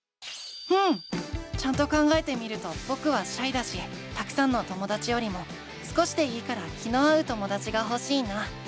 うん！ちゃんと考えてみるとぼくはシャイだしたくさんのともだちよりも少しでいいから気の合うともだちがほしいな。